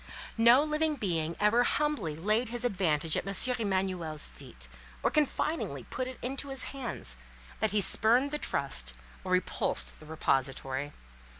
No living being ever humbly laid his advantage at M. Emanuel's feet, or confidingly put it into his hands, that he spurned the trust or repulsed the repository.